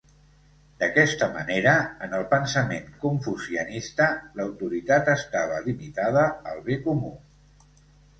D'aquesta manera, en el pensament confucianista, l'autoritat estava limitada al bé comú.